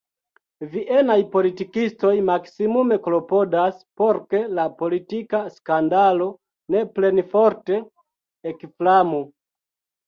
Vienaj politikistoj maksimume klopodas, por ke la politika skandalo ne plenforte ekflamu.